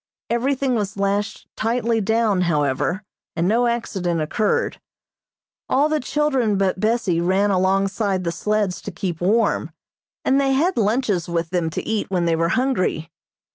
Everything was lashed tightly down, however, and no accident occurred. All the children but Bessie ran alongside the sleds to keep warm, and they had lunches with them to eat when they were hungry.